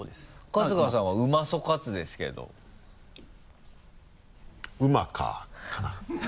春日さんは「うまそカツ」ですけど。「うまか」かな？